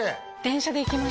電車で？